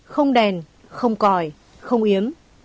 không đèn không còi không yếm